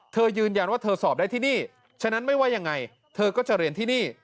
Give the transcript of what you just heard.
ยืนยันว่าเธอสอบได้ที่นี่ฉะนั้นไม่ว่ายังไงเธอก็จะเรียนที่นี่